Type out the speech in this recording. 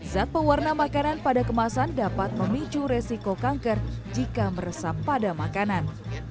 zat pewarna makanan pada kemasan dapat memicu resiko kanker jika meresap pada makanan